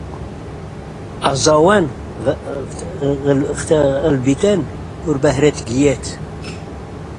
De muziek in de voetbalkantine was erbarmelijk naar hun smaak.